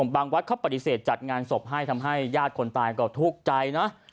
วัดเขาปฏิเสธจัดงานศพให้ทำให้ญาติคนตายก็ทุกข์ใจนะ